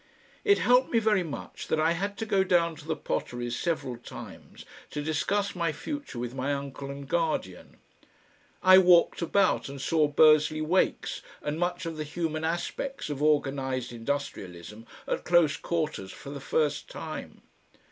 It helped me very much that I had to go down to the Potteries several times to discuss my future with my uncle and guardian; I walked about and saw Bursley Wakes and much of the human aspects of organised industrialism at close quarters for the first time.